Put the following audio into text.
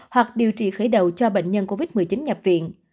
hoặc điều trị khởi đầu cho bệnh nhân covid một mươi chín nhập viện